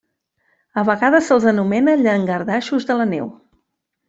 A vegades se'ls anomena llangardaixos de la neu.